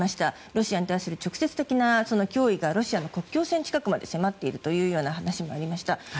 ロシアに対する直接的な脅威がロシアの国境線付近まで迫っているという話もありました。